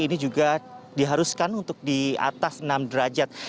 ini juga diharuskan untuk di atas enam derajat